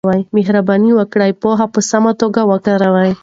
مهرباني وکړئ پوهه په سمه توګه وکاروئ.